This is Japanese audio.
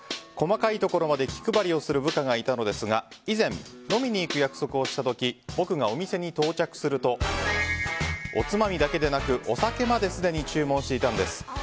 細かいところまで気配りをする部下がいたのですが以前、飲みに行く約束をした時僕がお店に到着するとおつまみだけでなく、お酒まですでに注文していたんです。